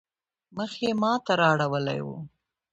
مخ يې ما ته رااړولی وو.